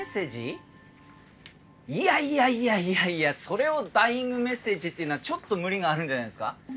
いやいやいやそれをダイイングメッセージっていうのはちょっと無理があるんじゃないですか？